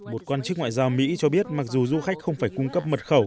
một quan chức ngoại giao mỹ cho biết mặc dù du khách không phải cung cấp mật khẩu